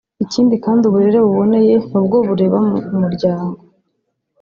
ikindi kandi uburere buboneye nubwo bureba umuryango